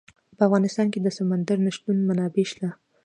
په افغانستان کې د سمندر نه شتون منابع شته.